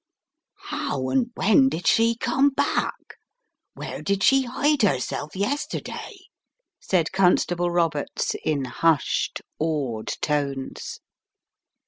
"How and when did she come back? Where did she hide herself yesterday?" said Constable Roberts, in hushed, awed tones.